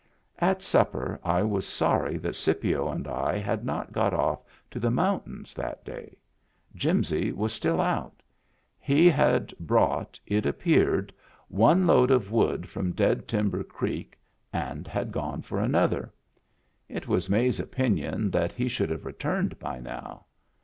At supper I was sorry that Scipio and I had not got off to the mountains that day. Jimsy was still out. He had brought, it appeared, one load Digitized by Google 3IO MEMBERS OF THE FAMILY of wood from Dead Timber Creek and had gone for another. It was May's opinion that he should have returned by now.